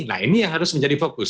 nah ini yang harus menjadi fokus